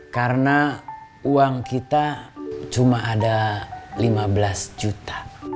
karena uang kita cuma ada lima belas juta